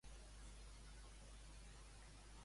En quins llocs se'l va honrar?